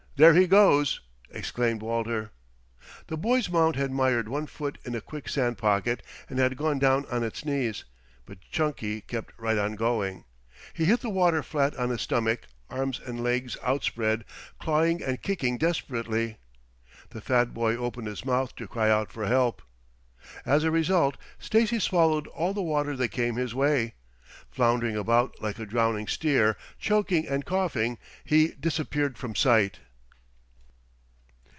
There he goes!" exclaimed Walter. The boy's mount had mired one foot in a quicksand pocket and had gone down on its knees. But Chunky kept right on going. He hit the water flat on his stomach, arms and legs outspread, clawing and kicking desperately. The fat boy opened his mouth to cry out for help. As a result Stacy swallowed all the water that came his way. Floundering about like a drowning steer, choking and coughing, he disappeared from sight.